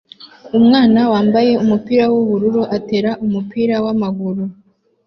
Umwana wambaye ubururu atera umupira wamaguru